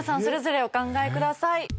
それぞれお考えください。